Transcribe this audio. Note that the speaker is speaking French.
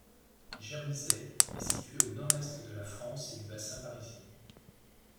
Germisay est située au Nord-est de la France et du Bassin parisien.